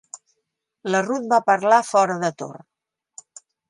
La Ruth va parlar fora de torn.